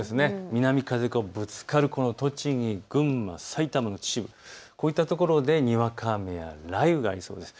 南風がぶつかる栃木、群馬、埼玉の秩父、こういったところでにわか雨や雷雨がありそうです。